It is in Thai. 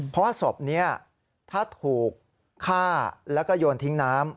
เพราะว่าศพนี้ถ้าถูกฆ่าแล้วก็โยนทิ้งน้ำ